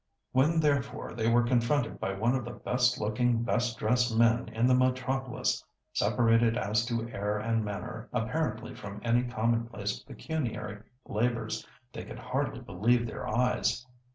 When therefore they were confronted by one of the best looking, best dressed men in the metropolis, separated as to air and manner apparently from any commonplace pecuniary labours, they could hardly believe their eyes.